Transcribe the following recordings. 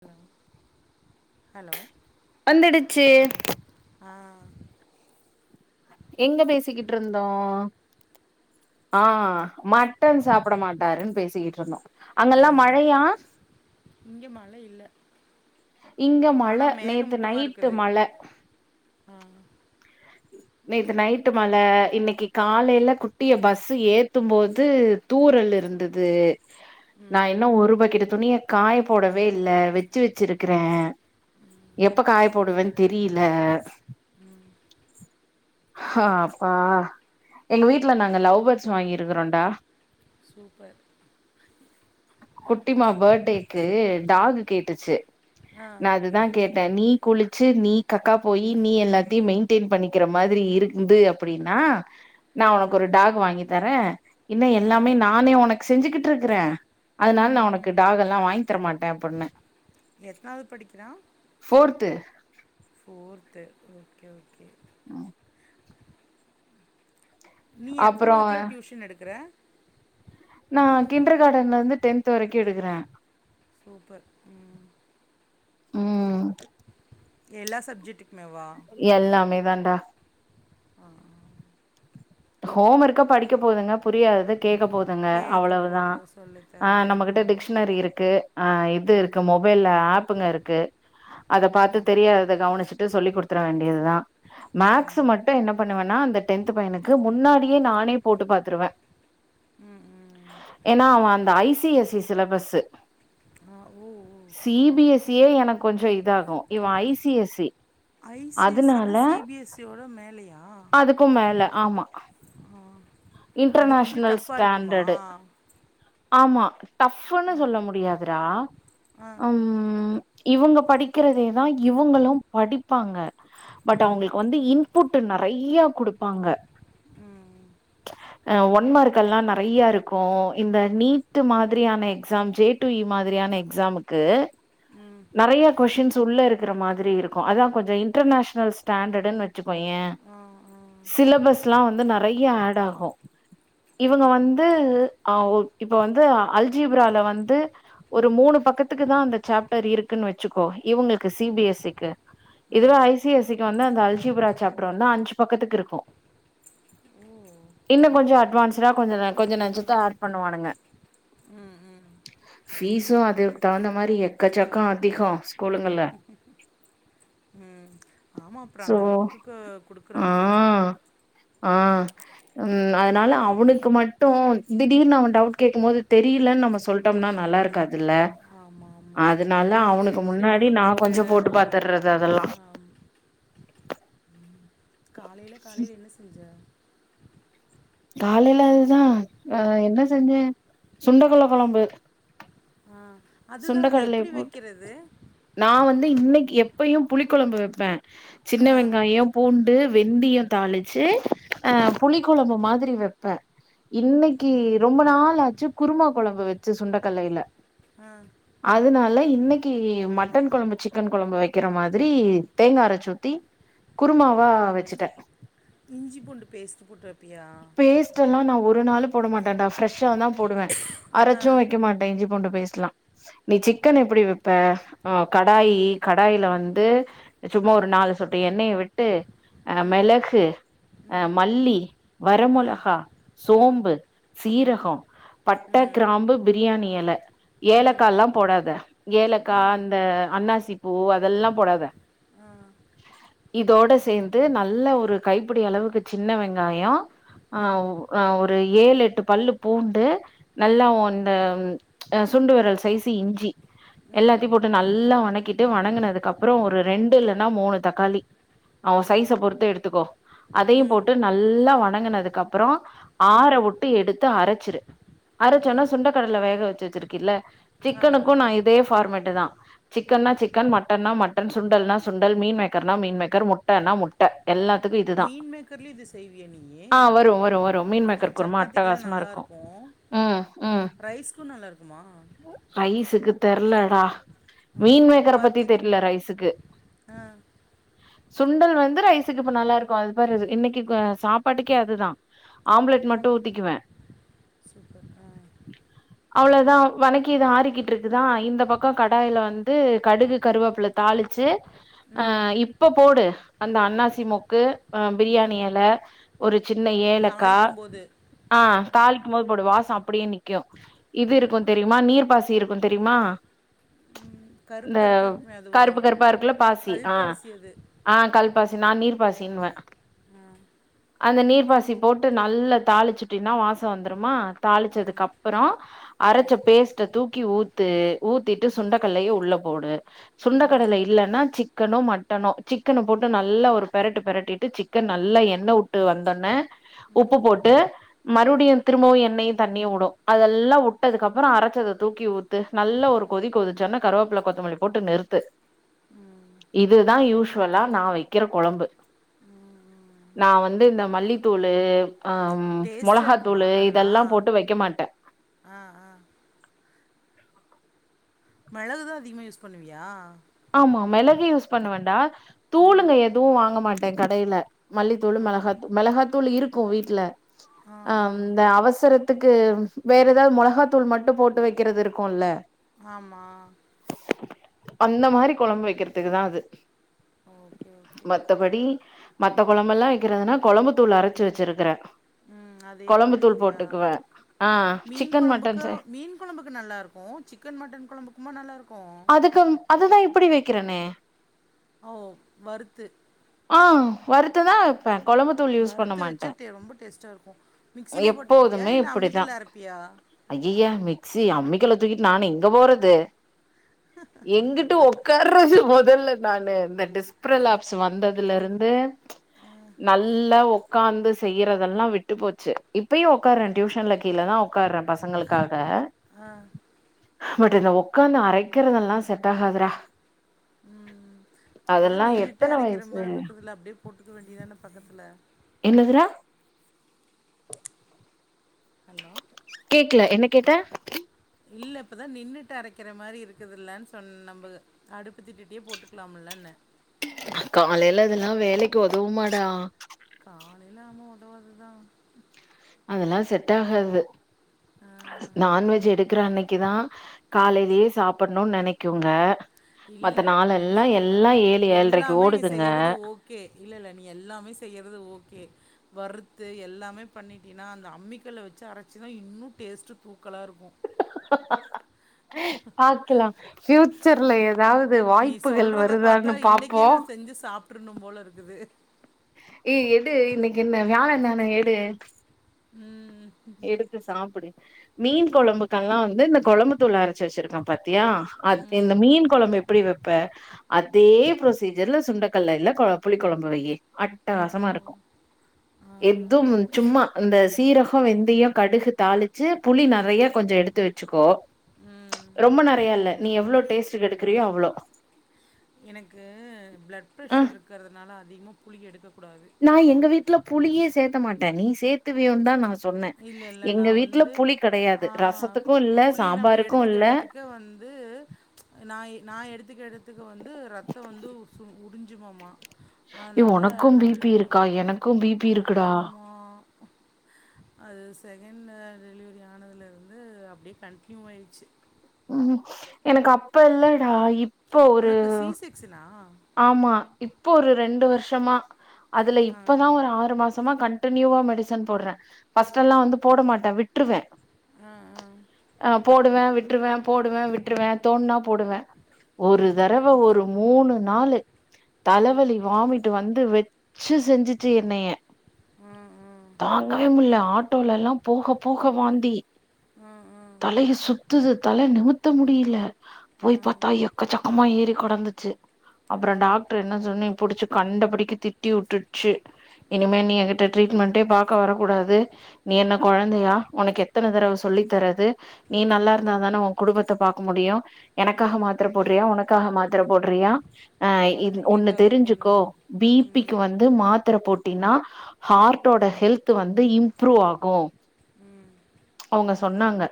ஹ ஹலோ வந்துடுச்சு ஆ எங்க பேசிக்கிட்டு இருந்தோம் ஆ மட்டன் சாப்பிட மாட்டாருன்னு பேசிக்கிட்டு இருந்தோம் ஆ இங்க மழை இல்ல இங்க மழ ஆனா நேத்து மேகமூட்டமா நைட்டு இருக்குது மழ ஆ நேத்து நைட்டு மழ இன்னைக்கு காலையில குட்டிய பஸ்சு ஏத்தும் போது தூரல் இருந்தது நா ம் இன்னும் ஒரு பக்கெட்டு துணிய காய போடவே இல்லே வெச்சு வெச்சிருக்கறேன் ம் எப்ப காய போடுவேன்னு தெரியில உம் [inaudible] அஹ் அப்பா எங்க வீட்டுல நாங்க லவ் பேர்ட்ஸ் வாங்கிருக்கிறோம்டா சூப்பர் குட்டிமா பர்த்டேக்கு டாகு கேட்டுச்சு ஆ நா அதுதான் கேட்டேன் நீ குளிச்சு நீ கக்கா போய் நீ எல்லாத்தையும் மெயின் டென் பண்ணிக்கிற மாதிரி இருந்து அப்டின்னா நா உனக்கு ஆ ஒரு டாக் வாங்கி தரேன் இன்ன ஆ எல்லாமே நானே உனக்கு செஞ்சுக்கிட் ட்டு இருக்கறேன் அதனால ம் நான் உனக்கு ம் டாகெலாம் வாங்கி தர மாட்டேன் அப்பனே எத்தனாவது படிக்கிறான் ஃபோர்த்து ஓகே ஓகே ஆஹ் நீ அப்றோ எத்தனாவதுக்குள்ள டியூஷன் எடுக்கற நான் கிண்டர் கார்டன்ல இருந்து டென்த் வரைக்கும் எடுக்கறேன் சூப்பர் உம் [inaudible] உம் எல்லா சப்ஜெக்டு எல்லாமே தான்டா ஆ ஆ ஹோம் ஒர்க்க படிக்க போதுங்க புரியாதத கேக்க போதுங்க கேட்க அவ்வளவுதா போகிறது ஆ சொல்லித்தரது நம்மகிட்ட டிக்ஷ்னரி இருக்கு ஆ இதுர்க்கு மொபைல்ல ஆப்ங்க இருக்கு அத பாத்து ம் தெரியாதத கவனிச்ட்டு சொல்லி குடுத் த்ர வேண்டியதுதா மேக்ஸ் ம் மட்டு என்ன பண் னுவனா அந்த டென்த் பயனுக் க்கு முன்னாடியே நானே போட்டு பாத்துருவே, ம் ம் ம் ஏன்னா அவ அந்த ஐசிஎஸ்சி சிலபஸ்சு ஆ ஓ ஓ ஆ சிபிஎஸ்ஸியே எனக்கு கொஞ்சோ இதாகு இவ ஐசிஎஸ்சி ஐசிஎஸ்சி லா சிபிஎஸ்ஸியோட மே [unintelligible] அதுக்கு மேல, ஆமா ஆ அது கொஞ்சம் இன்டர்நேஷ்னல் டஃப்பாக இருக்குமா ஸ்டாண்டர்டு ஆமா டஃப்ன்னு ஆ சொல்ல முடியதுடா ஆ ம் இவங்க படிக்கிறதேதா இவுங்களும் படிப்பாங்க பட் ம் அவுங்ளுக்கு வந்து இன் புட்டு நெறையா குடுப்பாங்க ம் அ, ஒன்மார்க்கெல்லா நறைய இருக்கு இந்த நீட்டு மாதிரியான எக்ஸாம் ஜே டூ இ மாதிரியான எக்ஸாமுக்கு ம் துள்ள இருக்கிற மாதிரி இருக்கூ அதான் கொஞ்ச இன்டர்நேஷனல் ஸ்டாண்டர்ட்ன்னு வச்சுக்கோயே ஆ ஆ சிலபஸ்லா வந்து நரையேடா ஆகு இவுங்க வந்து அ ஓ இப்ப வந்து அல் ஜீப்ரால வந்து ஒரு மூணு பக்கத்துக்கு தான் அந்த சாப் டர் இருக்ன்னு வச்சுக்கோ இவங்ளுக்கு சிபிஎஸ்ஸிக்கு இதுவா ம் I C I C E வந்து அந்த அல்சிபுரா சாப்ட்டரா வந்து அஞ்சு பக்கத்துக்கு இருக்கு ஓ இன்னு கொஞ்சோ அட்வான்ஸ்டா கொஞ்ச கொஞ்சோ நச்சுத்த ஆட் பண்ணுவானுங்க உம் உம் பீஸு அதுக்கு தகுந்த மாதிரி எக் எக்கச்சக்க அதிக ஸ்கூலுங்கல உம் ஆமா ப்ரோ அந்த அளவுக்குக்கு ஆ குடுக்குறாங்கல்ல ஆ உம் அதனால அவுனுக்கு மட்டு திடீர்னு அவ டவுட் கேடக்கு போது தெரியலன்னு நம்ம சொல்லிட்டோம்னா நல்லா இருக்கதுல்ல ஆமாம் ஆத் ஆமாம் அதுனால அவுனுக்கு அதுக்கு முன்னாடி நம்ம நா கொஞ்சோ ப்ரிப்பேர்டாக போட்டு இருந்துக்கணும் பாத்தறது அதெல்லா நாம் காலைல காலைல என்ன செஞ்ச காலைல அதுதா அ என்ன செஞ்சே சுண்டகொள்ள கொழம்பு ஆஹ் சுண்ட கடலைய போட்டு நா வந்து இன்னைக்கு எப் எப்பயு புளிக்கொழம்பு வைப்பே ஆ சின்ன வெங்காயம் பூண்டு வெந்தியம் தாளிச்சு ஆ ஆஹ் புளி குழம்பு மாதிரி வ ப்ப இன்னைக்கு ரொம்ப நாளாச்சு குருமா குழம்பு வச்சு சுண்டக்கல்லையில ம் அதனால இன்னைக்கு மட்டன் குழம்பு சிக்கன் குழம்பு வைக்கிற மாதிரி தேங்காய் அரைச்சு ஊத்தி குருமாவா வச்சுட்டேன் இஞ்சி பூண்டு பேஸ்ட் போட்டு வைப்பியா பேஸ்ட் எல்லாம் நான் ஒரு ஒரு நாளும் போட மாட்டேன் நான் ஃப்ரெஷ்ஷா தான் போடுவேன் ஆ அரச்சும் வைக்க மாட்டேன் இஞ்சி பூண்டு பேஸ்ட் லாம் நீ சிக்கன் எப்படி வைப்ப ஆஹ் கடாயி கடாயில வந்து சும்மா ஒரு நாலு சொட்டு எண்ணெய விட்டு அஹ் மிளகு அஹ் மல்லி வர மொளகா சோம்பு சீரகம் பட்டை ம் கிராம்பு பிரியாணி இலை ம் ஏலக்காய் எல்லாம் போடாத ஆ ஏலக்காய் அந்த அன்னாசி பூ அதெல்லாம் போடாத இதோட சேர்ந்து நல்ல ஒரு கைப்பிடி அளவுக்கு சின்ன வெங்காயம் ம் ஆஹ்ஹ் ஒரு ஏழு எட்டு பல்லு பூண்டு நல்லா ம் இந்தஹ் சுண்டு விரல் சைஸு இஞ்சி ம் எல்லாத்தையும் போட்டு நல்லா வணக்க கிட்டு வணங்குனதுக்கு அப்புறம் ஒரு ரெண்டு இல்லன்னா மூணு தக்காளி அவன் ம் சைஸ பொறுத்து எடுத்துக்கோ அதையும் ம் போட்டு நல்லா வ வணங்குனதுக்கு அப்புறம் ஆ ஆற விட்டு எடுத்து அரைச்சுரு ஆ அரைச்சோன்னா சுண்ட கடல வேக வச்சது திருக்கில்ல சிக்கனுக்கு ஆமா நா இதே ஃபார்மேட்டு் தா சிக்கன்னா சிக்கன் மட்டன்னா மட்டன் சுண்டல்னா சுண்டல் மீன் மேக்கர்னா மீன் மேக்கர் முட்டன்னா முட்ட எல்லா மீன் மேக்கர்ல இது செய்வியா நீய் ஆ வரு வரு வரு மீன் மேக்கர் குருமா அட்டகாசமா இருக்கு நல்லாருக்கும். ம் ம் ரைஸ்க்கும் நல்லாருக்குமா? ரைசுக்கு தெர்லடா ஆ மீன் மேக்கற பத்தி சப்பாத்திக்கு தெரில ரைஸுக்கு ஆ சுண்டல் வந்து ரைசுக்கு இப்ப நல்லா இருக்கு அது பாரு இன்னக்கி சாப் பாட்டுக்கே அதுதா ஆம்லெட் மட்டு ஊத்திக்குவே சூப்பர் ஆ அவ்ளோதா வணக்கி இது ஆறிக்கிட்டு இருக்குதா இந்த பக்கோ கடாயில வந்து கடுகு கருவேப்புல தாளிச்சி ஆ ம் இப்ப போடு அந்த அன்னாசி மொக்கு ஆ பிரியாணி எல ஒரு சின்ன ஏலக்கா தாளிக்கும்போது ஆ தாளிக்கும் போது போடு வாசோ அப்டியே நிக்கு இது இருக்கு தெரியுமா நீர்பாசி இருக்கு தெரியுமா ம் கருப்பு இந்த கருப்பா இருக்குமே அதுவா? கருப்பு கருப்பா இருக்குல்ல பாசி ஆ கல்பாசி அது ஆ கல் பாசி நா நீர்பாசின்னுவே அந்த நீர்பாசி போட்டு நல்லா தாளிச்சுட்டீன்னா வாசம் வந்துருமா தாளிச்சதுக்கு அப்பறோ அரைச்ச ம் பேஸ்ட தூக்கி ஊத்து ஊத்திட்டு சுண்டைக்கல்லயே உள்ள போடு சுண்டைக்கடலை இல்லைன்னா சிக்கனோ மட்டனோ சிக்கனை போட்டு நல்லா ஒரு பெரட்டு பெரட்டிட்டு சிக்கன் நல்ல எண்ணெ வுட் டு வந்தோன உப்பு போட்டு மறுபடியு திரும்பவு எண்ணெயு தண்ணியு வுடும் அதெல்லா வுட்டதுக்கப்பற அரைச்சத தூக்கி ஊத்து நல்ல ஒரு கொதி கொதிச்சனே கருவேப்பில கொத்தமல்லி போட்டு நிறுத்து இதுதா யூசுவலா நா வைக்கிற கொழம்பு நா வ து இந்த மல்லித்தூளு ஆ டேஸ்ட்டா இருக்குமா மொளகாத்தூளு நல்லா? இதெல்லா போட்டு வைக்க மாட்டே ஆ ஆ மெளகுதா அதிகமா யூஸ் பண்ணுவியா ஆமா மெளகு யூஸ் பண்ணுவன்டா ம் தூளுங்க எதுவு வாங்க மாட் ட கடையில மல்லித்தூளு ஆ மெளகாத்தூ மெளகாத்தூள் இருக்கும் வீட்ல ஆ அ ஆ இந்த அவசரத்துக்கு வேற ஏதாவது மொளகாத்தூள் மட்டு போட்டு வைக்கிறது இருக்குல்ல ஆமா அந் த மாரி கொழம்பு வைக்கிறதுக்குதா அது ஓகே, ஓகே. மத்தபடி மத்த கொழம்பெல்லா வைக்கிறதுனா கொழம்பு தூள் அரைச்சு வச்சிருக்கற ம் அதே போட்டுக்குவியா ஆ மீன் சிக்கன் மட்டன் கொழம்புக்கு செ மீன் கொழம்புக்கு நல்லா இருக்கு, சிக்கன் மட்டன் கொழம்புக்குமா நல்லா இருக் அதுக்கு அதுதா இப்படி வை க்கிறனே ஓ வறுத்து ஆ வறுத்துதா வைப்பே கொழம்புத்தூள் யூஸ் பண்ண வறுத்து மாட்டே வச்சா டே ரொம்ப டேஸ்ட்டா இருக்கும். மிக்ஸிலயே போட்டுக்குவியா? எப்போதுமே இல்ல இப்டிதா அம்மிக்கல்ல அரைப்பியா? அய்யய்யா மிக்சி அமி அம்மிக்கல்ல தூக்கிட்டு நானு எங்க போறது எங்குட்ட ஒக்கார்றது மொதல்ல நானு இந்த டிஸ்பிரல் ஆப்ஸ் வந்ததுல இருந்து நல்லா ஒக்காந்து செய்யிறதெல்லா விட்டு போச்சி இப்பயு ஒக்கார்றே டியூஷன்ல கீழே தா ஒக்கார்றே பசங்களுக்காக ஆ பட் இத ஒக்காந்து ஆரக் கிறதெல்லா செட் ஆகது ரா அதா நீ நின்னுட்டே அரக்கிற மார்ருக்குதுல்ல அப்டியே போட்டுக்க வேண்டியதான பக்கத்துல என்னதுரா ஹலோ! கேக்ல எனக் கேட்ட இல்ல இப்ப தா நின்றுட்டு அரக்கிற மாதிரி இருக்குதில்லனு சொன்ன நம்ப அடுப்பு திட்டிட்டியே போட்டுக்குலாம் இன்ன காலைல இதெல்லா வேலைக்கு ஒதவும்மாடா எல்லாமு ஒதவாது தா அதல்லா செட் ஆகாது ஆ. நான்வெஜ் எடுக்குற அன்னக் கிதா காலைலியே சாப்பட்ணு நெனைக்குங்க மத்த இல்ல நா என்ன நாளெல்லா சொல்றன்னா எல்லா ஏழு ஏழ்ரைக்கு எல்லாமே நீ ஓடுதுங்க செய்யறது ஓகே இல்லல்ல நீ எல்லாமே செய்யறது ஓகே வறுத்து எல்லாமே பண்ணிட்டீன்னா அந்த அம்மிக்கல்ல வச்சு அரச்சினா இன்னு டேஸ்ட்ட் தூ நல்லா இருக்கு பாக்கலாம் ஆ பிஃயூச்சர்ல எதாவது நீ வாய்ப்புகள் வருதான்னு பாப்போம் ற்றனும் போல இருக்குது ஏ எடு இன்னிக்கு என்ன வியாழ தானா எடு ம் எடுத்து சாப்புடு மீன் கொழம்புக்கெல்லாம் வந்து இந்த கொழம்பு தூள் அரச்சு வச்சிருக்கேன் பார் செரியா இந்த மீன் கொழம்பு எப்பிடி வப் இப்ப அதே ப்ரொசீஜர்ல சுண்டக்கல்ல இல்ல புளி கொழம்பு வைய அட்டகாசமா இருக்கும் ஆ ஆ எதுவும் சும்மா இந்த சீரகம் இப்ப வெந்தயம் கடுகு தாளிச்சு புளி நறைய கொஞ்சம் எடுத்து வச்சுக்கோ ம் ரொம்ப நறைய இல்ல நீ எவ்ளோ டேஸ்ட் கிடுக்கிறியோ அவ்வளோ எனக்கு பிளட் பிரஷர் இருக்கறதுனால அதிகமாக புளிி எடுக்க நான் எங்க வீட்ல புளியே சேக் க்க மாட்டே நீ சேத்து வியோ தான் நான் இல்ல இல்ல நா வந்து கெடையாது ஆ ரசத்துக்கு இல்ல புளி நம்ம சாம்பாருக்கு எடுத்துக்க இல்ல எடுத்துக்க வந்து நா நா எடுத்துக்க எடுத்துக்க வந்து ரத்தொ வந்து சு உறிஞ் சிக்கோமா ஏ அதனால ஒனக்கு நா பி பி புளி இருக்கா எனக்கு பி பி இருக்குடா ஆமா செகண்ணு டெலிவரி ஆனதுலேர்ந்து அப்டியே கன்ட்னியூ ஆயிர்ச்சு ம் எனக்கு அப் ப இல்லடா இப்போ ஒரு உனக்கு சி செக்ஷனா ஆமா இப்போ ஒரு ரெண்டு வருஷமா அதுல ஆ இப்பதா ஒரு ஆறு மாச த்தமா கண்டனியூவா மெடிசன் போடுறே பஸ்ட்டல்லா வந்து போடமாட்டே விட்டுருவே ஆ ஆ ஆ போடுவே விட் விட்டுருவே போடுவே விட்டுருவே தோண்னா போடுவே ஒரு தறவ ஒரு மூணு நாலு தலவலி வாமிட்டு வந்து வெ வெச்சு செஞ்சுட்டு என்னைய ஆ ஆ தாங்கவே முல ஆட்டோலல்லா போக போக வாந்தி ஆ தலைய சுத்துது தல நிமுத்த முடியல போய் பத்தா எச்சக்கமா ஏருக்கு கொடந்துச்சு ஆ ஆ அப்புற ஆ டாக்டர் என்ன சொன்னி புடிச்சு கண்டபடிக்கு திட்டி விட்டுடுச்சு இனிமே நீ ஏங்கிட்ட ட்ரீட்மெண்டே பா க்க வரக்கூடாது நீ என்ன கொழந்தயா உனக்கு எத்தன தடவ சொல் சொல்லி தரது நீ நல்லா இருந்தா தான ஓ குடும்ப ப பாக்க முடியு எனக்காக மாத்திர போடுறியா உனக்கு க்காக மாத்திர போடுறியா ஆ இது ஒன்னு குழந்தைங்களுக்காக தெரிஞ்சுக்கோ போடணும் பி பிக்கு ம் வந்து மாத்திர போட்டு ட்டினா ஹார்ட்டோட ஹெல்த் வந்து இம்ப்ரூவ் ஆகு ம் ங்க சொன்னாங்க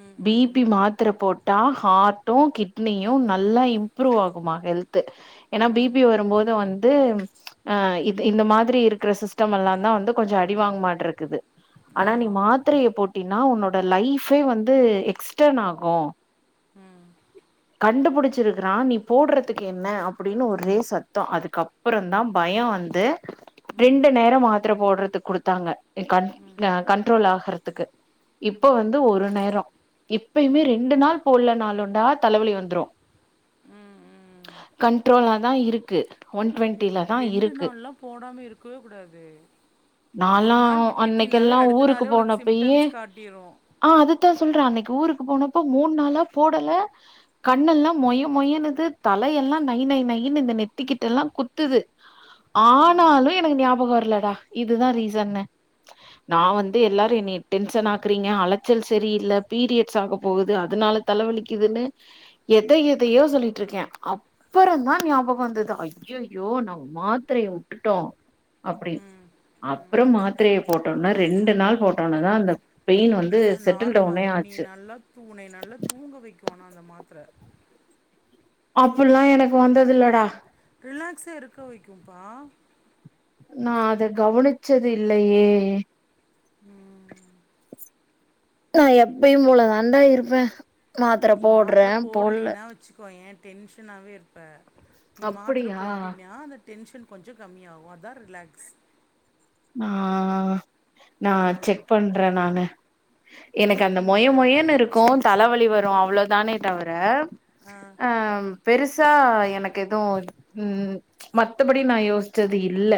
ம் பி ம் பி மாத்தர போட் டா ஹார்டு கிட்னியு நல்லா இம்ப்ரூவ் ஆகுமா ஹெல்த் ஏன்னா பி ம் பி வரும்போது வந்து அ இ இந்த மாதிரி இருக்கிற சிஸ்டம்ல்லா தா வந்து கொஞ்ச அடிவாங்க மாட்டருக்குது ஆனா நீ ஆமா. மாத்திரையை போட் அடின்னா உன்னோட லைஃபே வந்து எக்ஸ்டன் ஆகு ம் கண்டுபுடிச்சிருக்குறா நீ போட்றது த்துக்கு என்ன அப்டின் ஒரே சத்தம் அதுக்கப்றம் தா பயம் வந்து ரெண்டு நேரொ மாத்ர போட்ற து குடுத்தாங்க ஏ கண் அ கண்ட்ரோல் ஆகாது க்கு இப்ப வந்து ஒரு நேரம் இப்பயுமே ரெண்டு நாள் போல்ல நாள் உண்டா தலைவலி வந்துரு ம், ம். கண்ட்ரோலா தா இருக்கு ஒன் டுவெண் ரெண்டு நாள்லா போடாம இருக்கவே கூடாது ஒரு நாலா நாள் விட்டுட்டினாவே அன்னைக்கெல்லா அடுத்த ஊருக்கு நாளே உனக்கு போனப்பயே சிம்டம்ஸ் காட்டிரு ஆ அதுதா சொல்ற அன்னைக்கு ஊருக்கு போனப்ப மூண் நாளா போடல கண்ணெல்லா மொய மொயனுது தலை எல்லா நை நை நைன்னு இந்த நெத்திக்கிட்டலா குத்துது ஆனாலு எனக்கு ஞாபகொர்ல இதுதா ரீசன்னு நா வந்து எல்லாரு என்னைய டென்ஷன் ஆக்குறீங்க அலைச்சல் செரியில்ல பீரியட்ஸ் ஆக போகுது அதனால தலைவலிக்குதுன்னு எத எதையோ சொல்லிட்ருக்கே அப்பறந்தா ஞாபகொ வந்துது அய்யோயோ நம்ம மாத்தரைய வுட்டுட்டோ அப்படி அப்புறம் மாத்தரைய போட்டோன்ன ரெண்டு நாள் போட்டோனேதா அந்த பெயின் வந்து அ செட்டில் டவுனே நார்மலாவு நீ ஆச்சு நல்லா தூ நீ நல்லா தூங்க வைக்க க்கு ஆனா அந்த மாத்ர அப்புல்லா எனக்கு வந்ததுல்லடா ரிலாக்ஸா இருக்க வைக்கும்ப்பா நா அத கவனிச்சது இல்லயே ம் நா எப்பயு போல தான்டா இருப்ப நீ மாத்ர போல்லினா வச்சுக்கோயே டென்ஷனாவேருப்ப அப்டியா டென்ஷன் கொஞ்சோ கம்மியாவு அதா ரிலாக்ஸ் ஆ நா ஆ செக் பண்றே நானு எனக்கு நோட் அந்த பண்ணி மொய பாரு. மொயன்னுருக்கு செக் தலவலி வரு அவ்ளோதானே தவர ஆ. அ ம் பெருஸ் சா எனக்கு எதுவு ம் மத்தபடி நா யோஸ்ச்சது இல்ல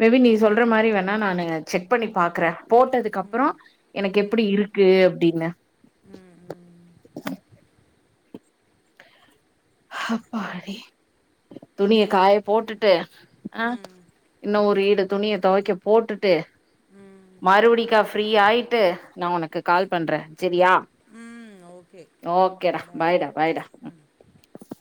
மே பி நீ சொல் ற மாரி வேணா நானு செக் பண்ணி பாக்ற போட்டதுக்கு அப்றம் எனக்கு எப்டி இருக்கு அப்டின்னு ம், ம். ஹ ப்பாடி துணிய காய போட்டுட்டு ஆ ம். இன்ன ஒரு ஈடு துணிய தொவைக்க போட்டுட்டு மறுவடி கஃப் ஃப்ரீ ஆயிட்டு நா உனக்கு கால் பண்ணுறே சரியா ம் ஓகே ஓகேடா பாய் பாய்டா பாய்டா ம்